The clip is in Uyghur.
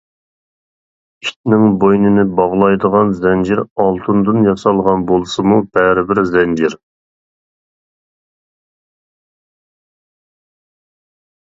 ئىتنىڭ بوينىنى باغلايدىغان زەنجىر ئالتۇندىن ياسالغان بولسىمۇ بەرىبىر زەنجىر.